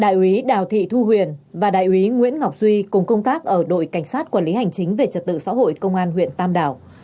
đại úy đào thị thu huyền và đại úy nguyễn ngọc duy cùng công tác ở đội cảnh sát quản lý hành chính về trật tự xã hội công an huyện tam đảo